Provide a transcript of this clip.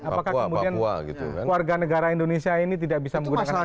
apakah kemudian keluarga negara indonesia ini tidak bisa menggunakan ktpl